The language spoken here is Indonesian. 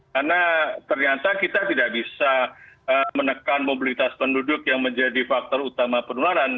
karena ternyata kita tidak bisa menekan mobilitas penduduk yang menjadi faktor utama penularan